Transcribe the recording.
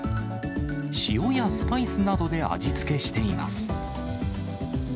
塩やスパイスなどで味付けしています。